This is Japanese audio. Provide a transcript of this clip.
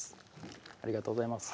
ありがとうございます